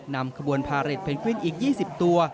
นำขบวนพาเรทเพนกวินอีก๒๐ตัว